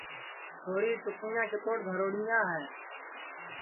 چھوری ٹُکیاں کِتوڑ دھروڑیاں ہے